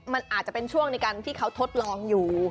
มันอาจจะเป็นช่วงในการที่เขาทดลองอยู่